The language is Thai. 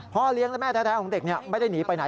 เลี้ยงและแม่แท้ของเด็กไม่ได้หนีไปไหน